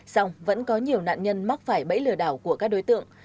xong vẫn có nhiều nạn nhân mắc phải bẫy lừa đảo của các đối tượng